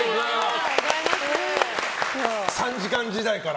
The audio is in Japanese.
３時間時代から。